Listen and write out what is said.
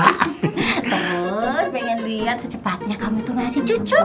terus pengen lihat secepatnya kamu tuh ngasih cucuk